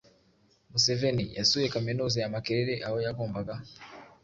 Museveni yasuye Kaminuza ya Makerere aho yagombaga